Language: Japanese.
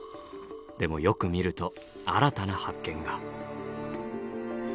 でもよく見ると新たな発見が。